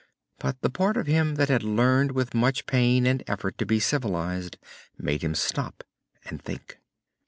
But the part of him that had learned with much pain and effort to be civilized made him stop, and think.